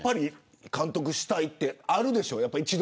監督したいのは、あるでしょ。